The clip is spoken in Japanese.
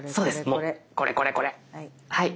もうこれこれこれ。